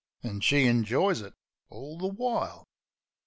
An' she injoys it all the while